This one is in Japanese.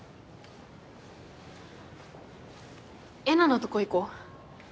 えなのとこ行こう。